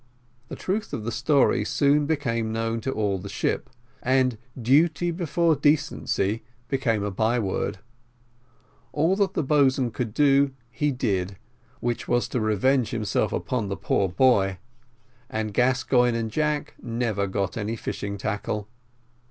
The truth of the story soon became known to all the ship, and "duty before decency" became a by word. All that the boatswain could do he did, which was to revenge himself upon the poor boy and Gascoigne and Jack never got any fishing tackle.